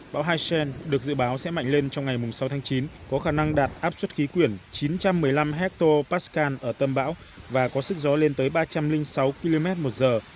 bão haisen được dự báo sẽ mạnh lên trong ngày sáu tháng chín có khả năng đạt áp suất khí quyển chín trăm một mươi năm hecto pascal ở tâm bão và có sức gió lên tới ba trăm linh sáu km một giờ